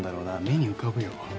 目に浮かぶよ。